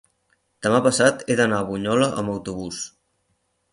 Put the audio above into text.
Demà passat he d'anar a Bunyola amb autobús.